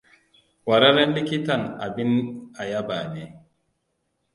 Ƙwararren likitan abin a yabawa ne.